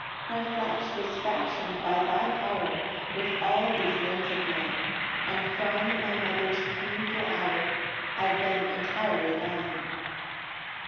2 My flesh was fashion'd by thy power, With all these limbs of mine; And from my mother's painful hour I've been entirely thine.